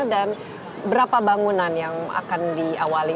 dan berapa bangunan yang akan diawali untuk revitalisasi